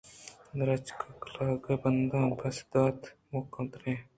درٛچک ءَ کلاگ بندان ءَ پسّہ دات مُحکم تِریں